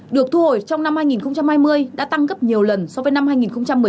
được thu hồi trong năm hai nghìn hai mươi đã tăng gấp nhiều lần so với năm hai nghìn một mươi bảy